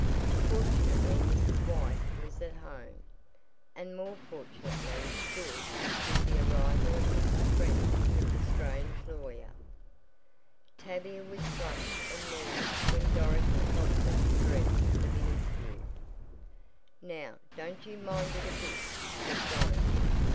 Fortunately Mrs. White was at home, and more fortunately still was the arrival of Mr. French with the strange lawyer. Tavia was flushed and nervous when Dorothy helped her to dress for the interview. "Now don't you mind it a bit," said Dorothy.